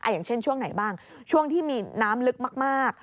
อย่างเช่นช่วงไหนบ้างช่วงที่มีน้ำลึกมาก